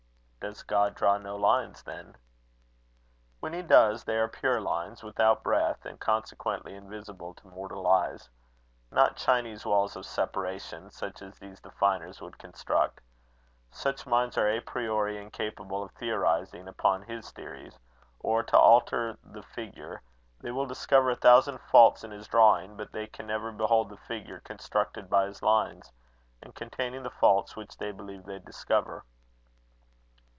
"Does God draw no lines, then?" "When he does, they are pure lines, without breadth, and consequently invisible to mortal eyes; not Chinese walls of separation, such as these definers would construct. Such minds are a priori incapable of theorising upon his theories. Or, to alter the figure, they will discover a thousand faults in his drawing, but they can never behold the figure constructed by his lines, and containing the faults which they believe they discover."